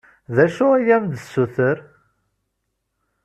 D acu i am-d-tessuter?